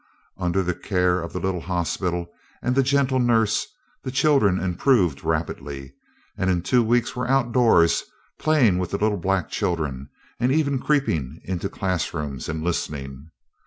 Under the care of the little hospital and the gentle nurse the children improved rapidly, and in two weeks were outdoors, playing with the little black children and even creeping into classrooms and listening.